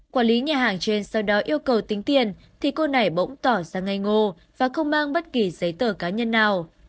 quản lý nhà hàng trên sau đó yêu cầu tính tiền thì cô này bỗng tỏ ra ngay ngô và không mang bất kỳ giấy tờ cá nhân nào